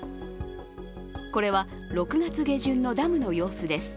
これは、６月下旬のダムの様子です。